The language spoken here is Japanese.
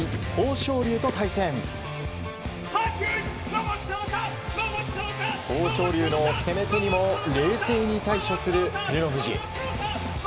豊昇龍の攻め手にも冷静に対処する照ノ富士。